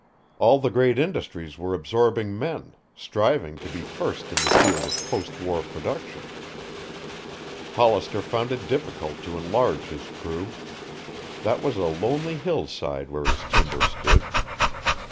All the great industries were absorbing men, striving to be first in the field of post war production. Hollister found it difficult to enlarge his crew. That was a lonely hillside where his timber stood.